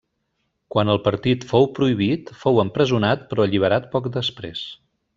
Quan el partit fou prohibit fou empresonat però alliberat poc després.